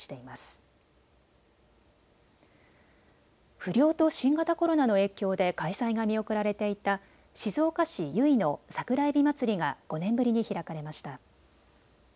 不漁と新型コロナの影響で開催が見送られていた静岡市由比の桜えびまつりが５年ぶりに開かれました。